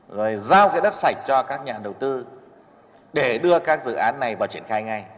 rồi giao đất sạch cho các nhà đầu tư để đưa các dự án này vào triển khai ngay